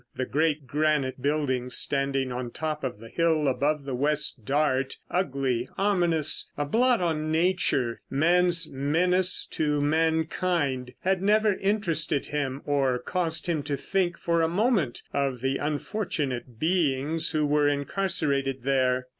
The great granite building standing on the top of the hill above the West Dart, ugly, ominous, a blot on nature, man's menace to mankind, had never interested him or caused him to think for a moment of the unfortunate beings who were incarcerated there.